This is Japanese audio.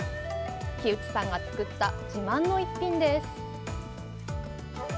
木内さんが作った自慢の一品です。